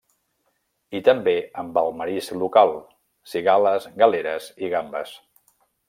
I també amb el marisc local: cigales, galeres i gambes.